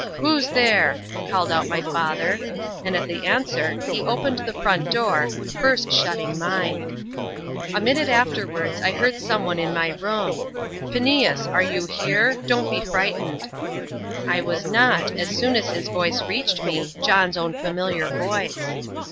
"Who's there?" called out my father; and at the answer he opened the front door, first shutting mine. A minute afterwards I heard some one in my room. "Phineas, are you here? don't be frightened." I was not as soon as his voice reached me, John's own familiar voice.